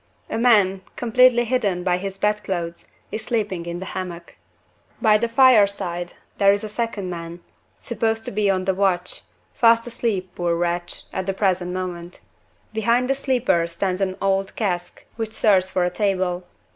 A man, completely hidden by his bedclothes, is sleeping in the hammock. By the fireside there is a second man supposed to be on the watch fast asleep, poor wretch! at the present moment. Behind the sleeper stands an old cask, which serves for a table.